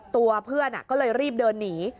ตัวเพื่อนก็เลยรีบเดินหนี